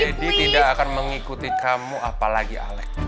daddy tidak akan mengikuti kamu apalagi alex